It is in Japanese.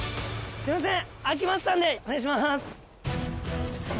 すいません。